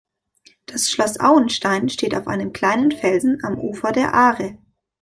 Das Schloss Auenstein steht auf einem kleinen Felsen am Ufer der Aare.